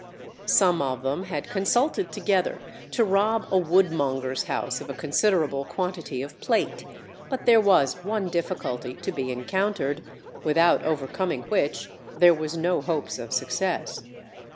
Some of them had consulted together to rob a woodmonger's house of a considerable quantity of plate, but there was one difficulty to be encountered, without overcoming which there was no hopes of success.